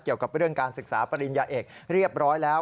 เกี่ยวกับเรื่องการศึกษาปริญญาเอกเรียบร้อยแล้ว